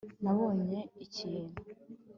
nabonye ikintu